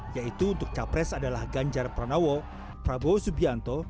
yaitu untuk capres adalah ganjar pranowo prabowo subianto